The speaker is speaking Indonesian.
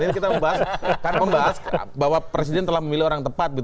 ini kita membahas bahwa presiden telah memilih orang tepat